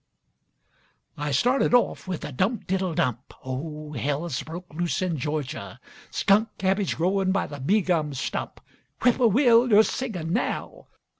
I started off with a dump diddle dump, (Oh, hell's broke loose in Georgia!) Skunk cabbage growin' by the bee gum stump. (Whippoorwill, yo're singin' now!)